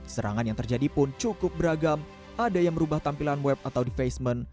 serangan yang terjadi pun cukup beragam ada yang merubah tampilan web atau defacement